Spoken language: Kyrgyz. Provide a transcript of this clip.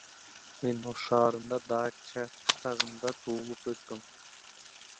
Мен Ош шаарынын Дача кыштагында туулуп өскөм.